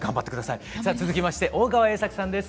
さあ続きまして大川栄策さんです。